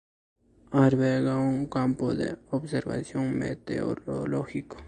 Alberga un campo de observación meteorológica.